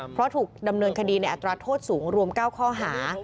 เพราะถูกดำเนินคดีในอัตราโทษสูงรวม๙ข้อหา